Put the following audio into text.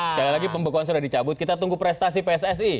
sekali lagi pembekuan sudah dicabut kita tunggu prestasi pssi